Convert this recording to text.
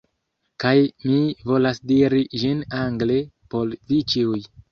Kaj mi volas diri ĝin angle por vi ĉiuj.